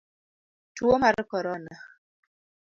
Tuo mar korona.